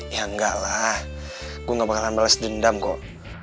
ya enggak lah gua gak bakalan bales dendam kok